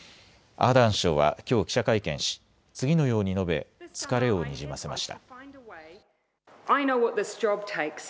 アーダーン首相はきょう記者会見し、次のように述べ疲れをにじませました。